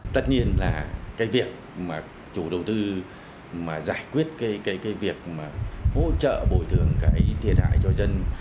tất nhiên là cái việc mà chủ đầu tư mà giải quyết cái việc mà hỗ trợ bồi thường cái thiệt hại cho dân